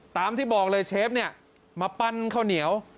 ตามที่บอกเลยเชฟเนี่ยมาปั้นข้าวเหนียว